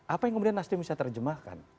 apa yang kemudian nasdem bisa terjemahkan